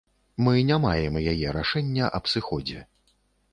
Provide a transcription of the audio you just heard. Мы не маем яе рашэння аб сыходзе.